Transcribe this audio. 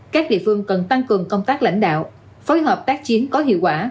các địa phương cần tăng cường công tác lãnh đạo phối hợp tác chiến có hiệu quả